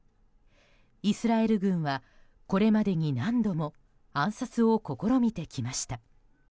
イスラエル軍は、これまでに何度も暗殺を試みてきました。